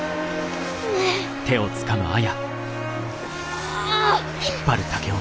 ああ！